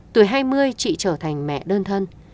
tuổi hai mươi chị trở thành mẹ đơn thân